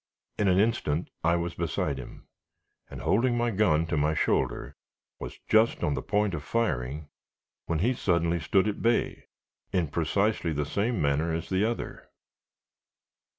In an instant I was beside him, and holding my gun to my shoulder, was just on the point of firing, when he suddenly stood at bay, in precisely the same manner as the other.